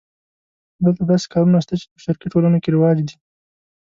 دلته داسې کارونه شته چې په شرقي ټولنو کې رواج دي.